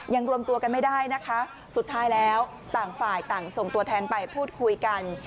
รวมตัวกันไม่ได้นะคะสุดท้ายแล้วต่างฝ่ายต่างส่งตัวแทนไปพูดคุยกัน